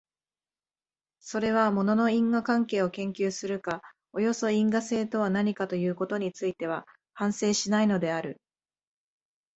それは物の因果関係を研究するか、およそ因果性とは何かということについては反省しないのである。